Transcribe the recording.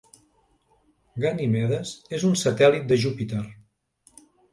Ganimedes és un satèl·lit de Júpiter.